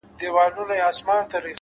مهرباني بې ژبې پیغام رسوي’